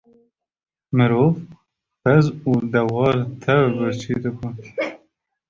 Mirov, pez û dewar tev birçî dibûn.